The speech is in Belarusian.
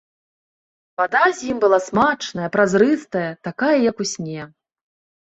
Вада з ім была смачная, празрыстая, такая як у сне.